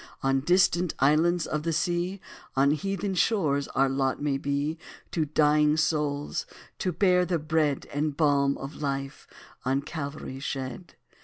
On distant islands of the sea On heathen shores our lot may be, To dying souls to bear the bread And balm of life on Calvary shed.